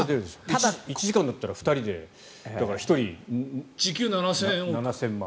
１時間だったら２人で１人時給７０００万。